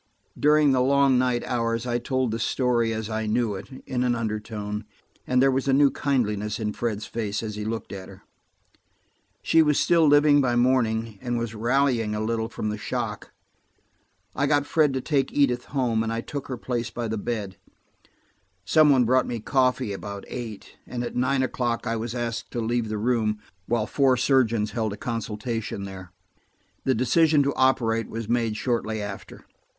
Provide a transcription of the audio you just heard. During the long night hours I told the story, as I knew it, in an undertone, and there was a new kindliness in Fred's face as he looked at her. She was still living by morning, and was rallying a little from the shock. I got Fred to take Edith home, and I took her place by the bed. Some one brought me coffee about eight, and at nine o'clock I was asked to leave the room. while four surgeons held a consultation there. The decision to operate was made shortly after.